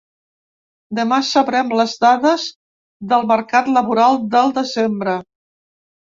Demà sabrem les dades del mercat laboral del desembre.